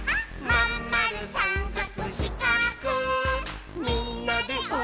「まんまるさんかくしかくみんなでおどっちゃおう」